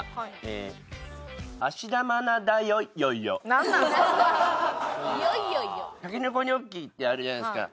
そんなたけのこニョッキってあるじゃないですか。